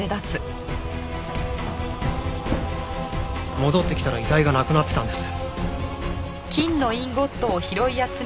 戻ってきたら遺体がなくなってたんです。